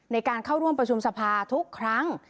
ในการเข้าร่วมประชุมสภาทุกครั้ง